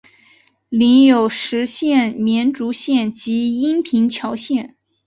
领有实县绵竹县及阴平侨县。